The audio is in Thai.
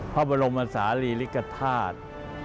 พระบรมศาลีริกฐาตุ